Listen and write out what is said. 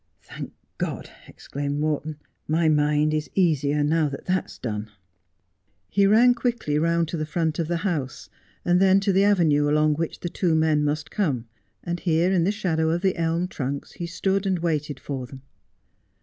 'Thank God,' exclaimed Morton, 'my mind is easier now that's done.' 36 Just as I Am. He ran quickly round to the front of then house, and the to the avenue along which the two men must come, and here in the shadow of the elm trunks he stood and waited for them.